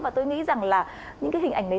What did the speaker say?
và tôi nghĩ rằng là những hình ảnh đấy